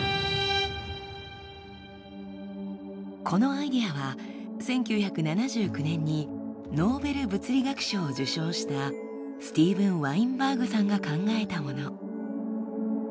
このアイデアは１９７９年にノーベル物理学賞を受賞したスティーブン・ワインバーグさんが考えたもの。